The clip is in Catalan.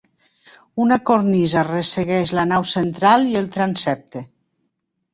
Una cornisa ressegueix la nau central i el transsepte.